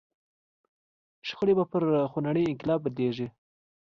شخړې به پر خونړي انقلاب بدلېږي.